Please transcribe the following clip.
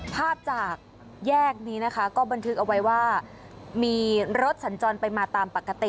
ภาพจากแยกนี้นะคะก็บันทึกเอาไว้ว่ามีรถสัญจรไปมาตามปกติ